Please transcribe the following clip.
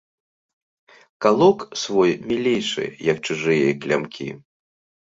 Калок свой мілейшы, як чужыя клямкі.